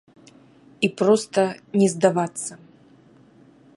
І проста не здавацца!